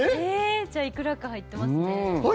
じゃあいくらか入ってますね。